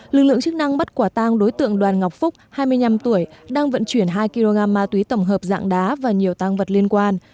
lực lượng chức năng bắt quả tang đối tượng đoàn ngọc phúc hai mươi năm tuổi đang vận chuyển hai kg ma túy tổng hợp dạng đá và nhiều tăng vật liên quan